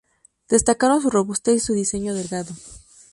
Destacan su robustez y su diseño delgado.